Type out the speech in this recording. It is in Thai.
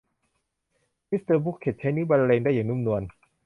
มิสเตอร์บุคเค็ทใช้นิ้วบรรเลงได้อย่างนุ่มนวล